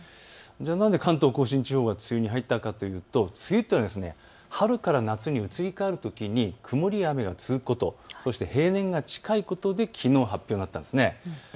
なぜ関東甲信地方が梅雨に入ったかというと梅雨というのは春から夏に移り変わるときに曇りや雨が続くこと、そして平年が近いことできのう発表になったんです。